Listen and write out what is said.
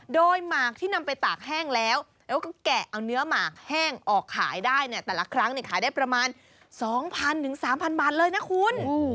โดยหมากที่นำไปตากแห้งแล้วแล้วก็แกะเอาเนื้อหมากแห้งออกขายได้เนี่ยแต่ละครั้งขายได้ประมาณ๒๐๐๓๐๐บาทเลยนะคุณ